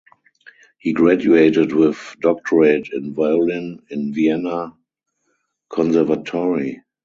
He graduated with Doctorate in violin in Vienna Conservatory.